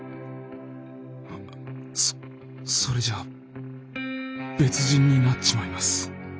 そそれじゃあ別人になっちまいます。